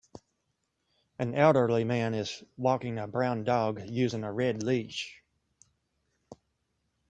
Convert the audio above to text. an elderly man is walking a brown dog using a red leash.